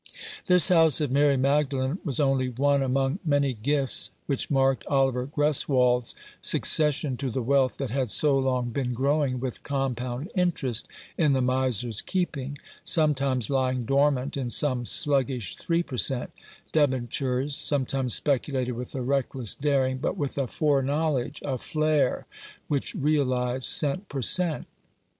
This House of Mary Magdalen was only one among many gifts which marked Oliver Greswold's succession to the wealth that had so long been growing with compound interest in the miser's keeping, sometimes lying dormant in some sluggish three per cent, debentures, sometimes speculated with a reckless daring, but with a foreknowledge — a " flair "— which realized cent, per cent.